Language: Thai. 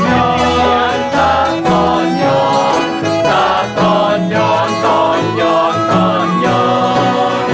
ตอนย้อนตาตอนย้อนตาตอนย้อนตอนย้อนตอนย้อน